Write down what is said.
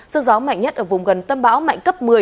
sự gió mạnh nhất ở vùng gần tâm báo mạnh cấp một mươi